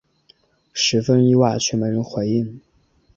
十分意外却没人回应